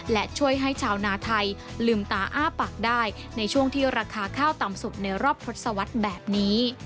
และช่วยให้ชาวนาไทยลืมตาอ้าปากได้ในช่วงที่ราคาข้าวต่ำสุดในรอบทศวรรษแบบนี้